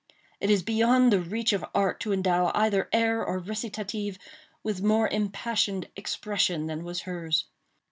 It is beyond the reach of art to endow either air or recitative with more impassioned expression than was hers.